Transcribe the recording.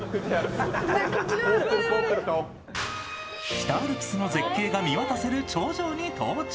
北アルプスの絶景が見渡せる頂上に到着。